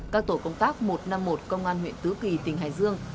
các tổ công tác một trăm năm mươi một công an huyện tứ kỳ tỉnh hải dương